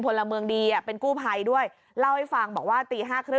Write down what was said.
มันกลับมาที่สุดท้ายแล้วมันกลับมาที่สุดท้ายแล้ว